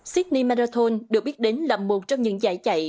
sydney marathon được biết đến là một trong những giải chạy